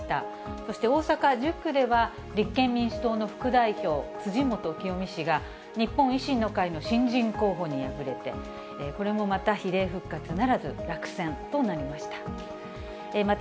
そして大阪１０区では、立憲民主党の副代表、辻元清美氏が、日本維新の会の新人候補に敗れて、これもまた比例復活ならず落選となりました。